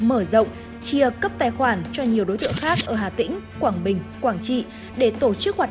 mở rộng chia cấp tài khoản cho nhiều đối tượng khác ở hà tĩnh quảng bình quảng trị để tổ chức hoạt